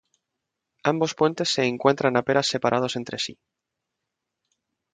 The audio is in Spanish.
Ambos puentes se encuentran apenas separados entre sí.